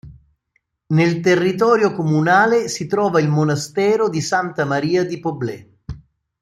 Nel territorio comunale si trova il Monastero di Santa Maria di Poblet.